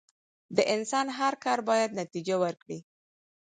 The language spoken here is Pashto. د انسان هر کار بايد نتیجه ورکړي.